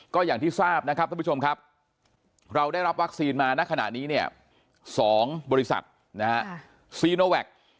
ก็อย่างที่ทราบนะครับท่านผู้ชมครับเราได้รับวัคซีนมาณขณะนี้เนี่ย๒บริษัทนะฮะซีโนแวค